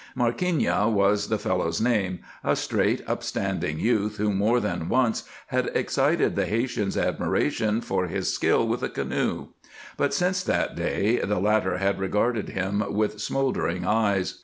Markeeña was the fellow's name, a straight, up standing youth who more than once had excited the Haytian's admiration for his skill with a canoe. But since that day the latter had regarded him with smoldering eyes.